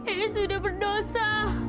iis sudah berdosa